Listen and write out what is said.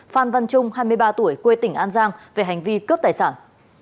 phan văn trung hai mươi ba tuổi quê tỉnh an giang về hành vi cướp tài sản